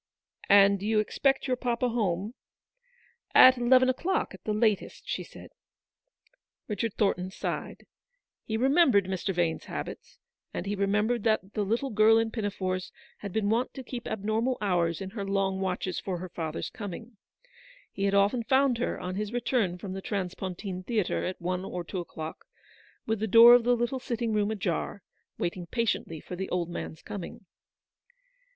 " And you expect your papa home —"" At eleven o'clock at the latest," she said. WAITING. 107 Richard Thornton sighed. He remembered Mr. Vane's habits, and he remembered that the little girl in pinafores had been wont to keep abnormal hours in her long watches for her father's coming. He had often found her, on his return from the transpontine theatre at one or two o'clock, with the door of the little sitting room ajar, waiting patiently for the old man's coming.